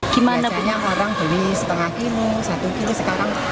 gimana punya orang beli setengah kilo satu kilo sekarang